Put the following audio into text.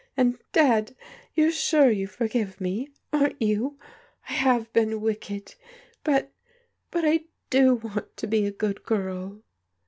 And, Dad, you're sure you forgive me, aren't you? I have been wicked; but — ^but I do want to be a good girl